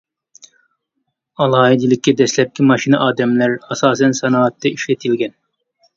ئالاھىدىلىكى دەسلەپكى ماشىنا ئادەملەر ئاساسەن سانائەتتە ئىشلىتىلگەن.